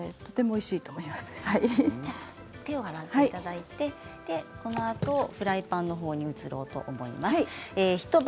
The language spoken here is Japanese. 手を洗っていただいてこのあとフライパンのほうに移ろうと思います。